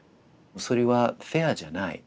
「それはフェアじゃないダメだ」。